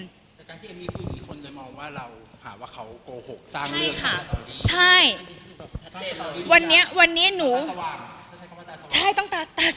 แต่การที่แอมมี่พูดมีคนจะมองว่าเรา